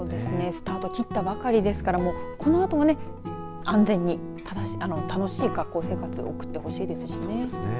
スタート切ったばかりですからこのあともね、安全に楽しい学校生活を送ってほしいですしね。